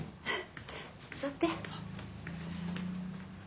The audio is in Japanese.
座って。